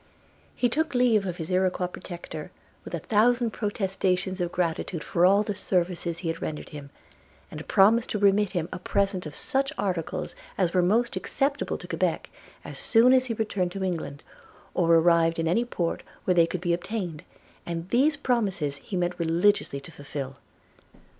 He took leave of his Iroquois protector, with a thousand protestations of gratitude for all the services he had rendered him, and promised to remit him a present of such articles as were most acceptable, to Quebec, as soon as he returned to England, or arrived in any port where they could be obtained; and these promises he meant religiously to fulfil.